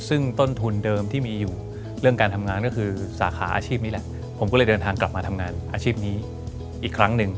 ซึ่งต้นทุนเดิมที่มีอยู่เรื่องการทำงานก็คือสาขาอาชีพนี้แหละผมก็เลยเดินทางกลับมาทำงานอาชีพนี้อีกครั้งหนึ่ง